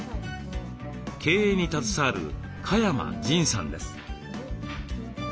経営に携わる嘉山仁さんです。